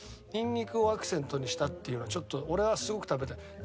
ニンニクをアクセントにしたっていうのはちょっと俺はすごく食べたい。